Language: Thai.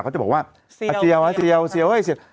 เขาจะบอกว่าเซียวเซียวเซียวเซียวเซียว